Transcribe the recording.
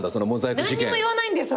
何にも言わないんだよ